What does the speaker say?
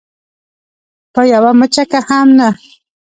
په یوه مچکه هم نه.